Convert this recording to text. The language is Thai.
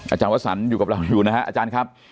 อาจารย์วสันอยู่กับเราอยู่นะฮะอาจารย์ครับ